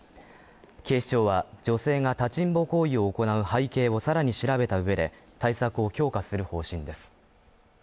警視庁は、女性が立ちんぼ行為を行う背景をさらに調べた上で対策を強化する方針です。